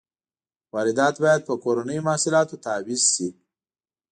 واردات باید په کورنیو محصولاتو تعویض شي.